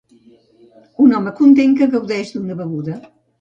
Un home content que gaudeix d'una beguda.